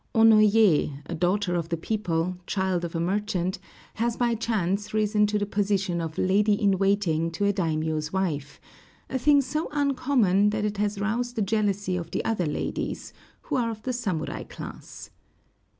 Onoyé, a daughter of the people, child of a merchant, has by chance risen to the position of lady in waiting to a daimiō's wife, a thing so uncommon that it has roused the jealousy of the other ladies, who are of the samurai class.